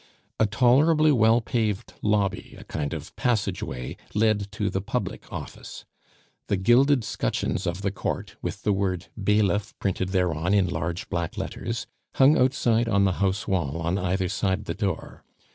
A tolerably wide paved lobby, a kind of passage way, led to the public office. The gilded scutcheons of the court, with the word "Bailiff" printed thereon in large black letters, hung outside on the house wall on either side the door.